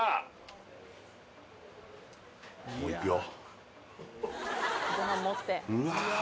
もういくよ